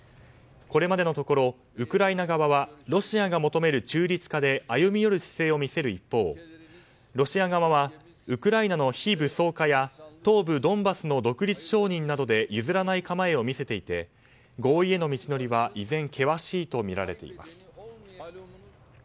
これまでのところウクライナ側はロシアが求める中立化で歩み寄る姿勢を見せる一方ロシア側はウクライナの非武装化や東部ドンバスの独立承認などで譲らない構えを見せていて合意への道のりは依然険しいとみられています。